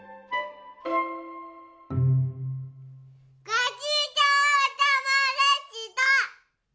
ごちそうさまでした。